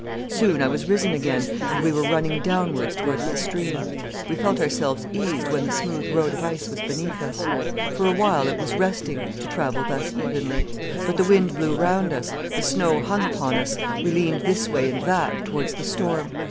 "Soon I was risen again, and we were running downwards towards the stream. We felt ourselves eased when the smooth road of ice was beneath us. For a while it was resting, to travel thus evenly. But the wind blew round us, the snow hung upon us, we leaned us this way and that, towards the storm.